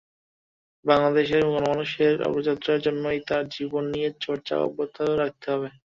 বাংলাদেশের গণমানুষের অগ্রযাত্রার জন্যই তাঁর জীবন নিয়ে চর্চা অব্যাহত রাখতে হবে।